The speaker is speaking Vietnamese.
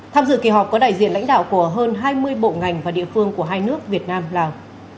tham dự kỳ họp có đại diện lãnh đạo của hơn hai mươi bộ ngành và địa phương của hai nước việt nam lào